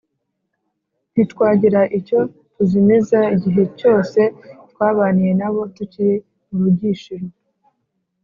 ntitwagira icyo tuzimiza igihe cyose twabaniye na bo tukiri mu rugishiro.